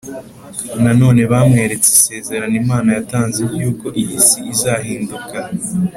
Nanone bamweretse isezerano Imana yatanze ry uko iyi si izahinduka